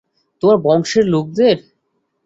তোমার বংশের লোকদের।